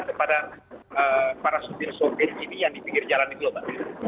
kepada para supir supir ini yang dipikir jalan di global